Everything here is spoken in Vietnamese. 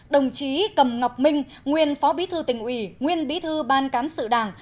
đồng chí cầm ngọc minh nguyên phó bí thư tỉnh ủy nguyên bí thư ban cán sự đảng